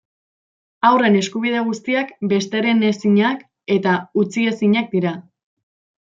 Haurren eskubide guztiak besterenezinak eta utziezinak dira.